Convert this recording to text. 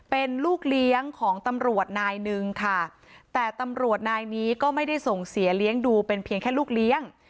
เป็นลูกเลี้ยงของตำรวจนายหนึ่งค่ะแต่ตำรวจนายนี้ก็ไม่ได้ส่งเสียเลี้ยงดูเป็นเพียงแค่ลูกเลี้ยง